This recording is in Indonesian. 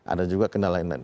ada juga kendala yang lain